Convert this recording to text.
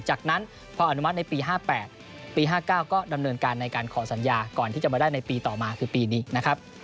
จากนั้นพออนุมัติในปี๕๘ปี๕๙ก็ดำเนินการในการขอสัญญาก่อนที่จะมาได้ในปีต่อมาคือปีนี้นะครับ